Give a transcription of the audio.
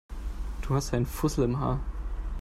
Du hast da einen Fussel im Haar.